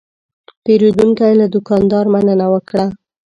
پیرودونکی له دوکاندار مننه وکړه.